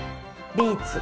ビーツ。